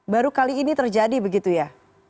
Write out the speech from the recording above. baru kali ini terjadi begitu ya